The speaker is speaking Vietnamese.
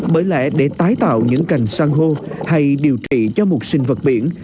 bởi lẽ để tái tạo những cành sang hô hay điều trị cho một sinh vật biển